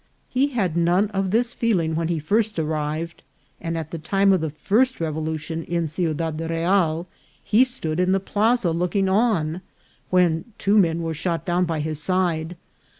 He had none of this feeling when he first arrived, and at the time of the first revolution in Ciudad Real he stood in the plaza looking on, when two men were shot down by his side.